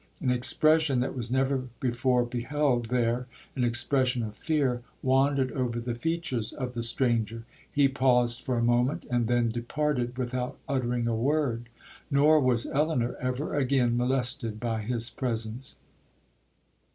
An expression that was never before beheld there—an expression of fear—wandered over the features of the stranger! He paused for a moment, and then departed without uttering a word—nor was Elinor ever again molested by his presence.